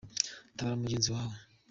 Tabara mugenzi wawe.